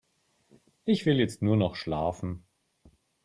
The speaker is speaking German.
Ich will jetzt nur noch schlafen.